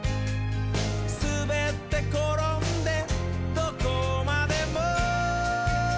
「すべってころんでどこまでも」